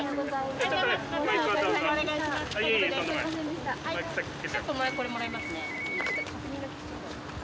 ちょっとこれもらいますね